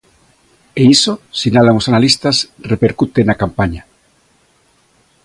E iso, sinalan os analistas, repercute na campaña.